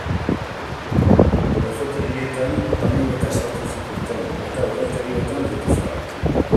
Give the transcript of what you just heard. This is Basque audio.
Gozotegietan panelletak saltzen zituzten eta urdaitegietan butifarrak.